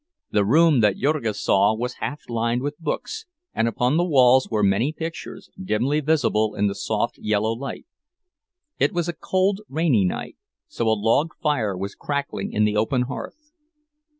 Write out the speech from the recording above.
The room that Jurgis saw was half lined with books, and upon the walls were many pictures, dimly visible in the soft, yellow light; it was a cold, rainy night, so a log fire was crackling in the open hearth.